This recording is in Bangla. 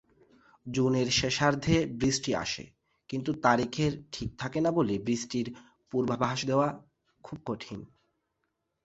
জুনের শেষার্ধে বৃষ্টি আসে, কিন্তু তারিখের ঠিক থাকেনা বলে বৃষ্টির পূর্বাভাস দেওয়া খুব কঠিন।